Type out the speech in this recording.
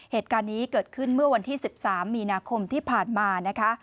เหตุการณ์นี้เกิดขึ้นเมื่อวันที่๑๓มีนาคมที่ผ่านมานะคะ